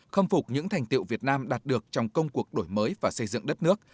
khâm phục những thành tiệu việt nam đạt được trong công cuộc đổi mới và xây dựng đất nước